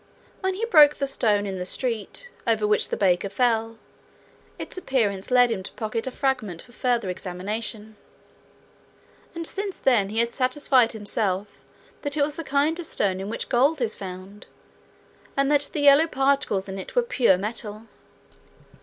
When he broke the stone in the street, over which the baker fell, its appearance led him to pocket a fragment for further examination; and since then he had satisfied himself that it was the kind of stone in which gold is found, and that the yellow particles in it were pure metal.